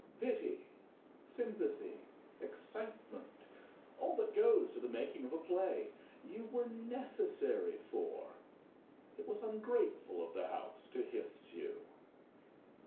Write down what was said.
Pity, sympathy, excitement, all that goes to the making of a play, you were necessary for. It was ungrateful of the house to hiss you.